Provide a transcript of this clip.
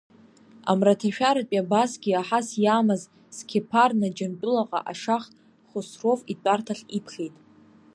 Амраҭашәаратәи Абасгиа аҳас иамаз Сқеԥарна Џьамтәылаҟа ашах Хосров итәарҭахь иԥхьеит.